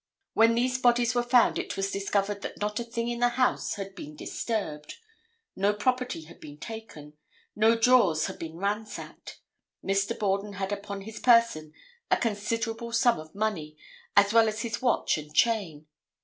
When these bodies were found it was discovered that not a thing in the house had been disturbed. No property had been taken. No drawers had been ransacked. Mr. Borden had upon his person a considerable sum of money as well as his watch and chain.